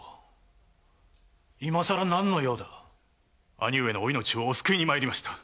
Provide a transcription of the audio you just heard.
兄上のお命をお救いに参りました。